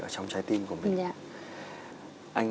trong trái tim của mình